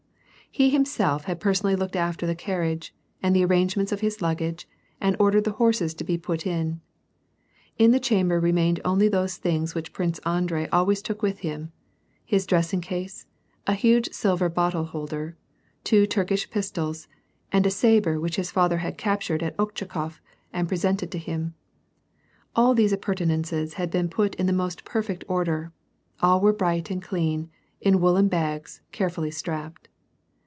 He himself had l)ersonally looked after the carriage, and the arrangement of his luggage, and ordered the horses to be put in. In the chamber remained only those things which Prince Andrei always took ^^th him : his dressing case, a huge silver bottle holder, two turkish pistols, and a sabre which his father had captured at Ochakof and presented to him. All these appurtenances had been put in the most perfect order ; all were bright and clean, in woolen bags, carefully strapped.